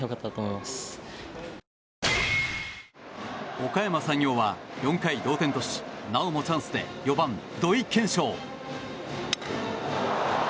おかやま山陽は４回、同点としなおもチャンスで４番、土井研照。